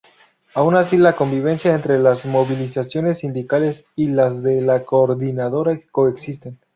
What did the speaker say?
Aún así la convivencia entre las movilizaciones sindicales y las de la Coordinadora coexisten.